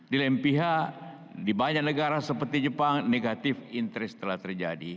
di lain pihak di banyak negara seperti jepang negatif interest telah terjadi